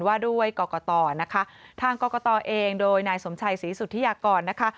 ว่าด้วยกรกตนะคะทางกรกตเองโดยนายสมชัยศรีสุธิยากรนะคะ